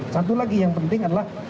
satu lagi yang penting adalah